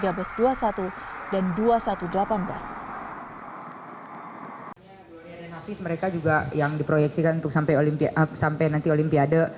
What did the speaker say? gloria dan hafiz mereka juga yang diproyeksikan untuk sampai nanti olimpiade